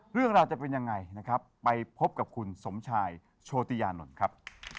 เรื่องราวจะเป็นยังไงไปพบกับคุณสมชายโชติญานนส์